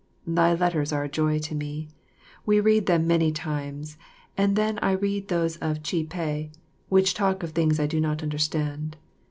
Thy letters are a joy to me. We read them many times, and then I read those of Chih peh, which talk of things I do not understand.